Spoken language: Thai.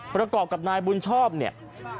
ประกอบกับนายบุญชอบเนี่ย